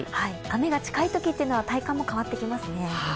雨が近いときは体感も変わってきますね。